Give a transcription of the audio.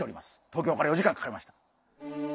東京から４時間かかりました。